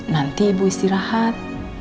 nanti ibu istirahat